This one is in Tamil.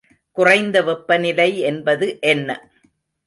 குறைந்த வெப்பநிலை என்பது என்ன?